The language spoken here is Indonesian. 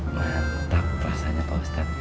mantap rasanya pak ustad